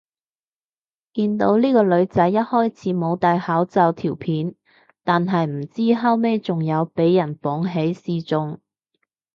見到呢個女仔一開始冇戴口罩條片，但係唔知後尾仲有俾人綁起示眾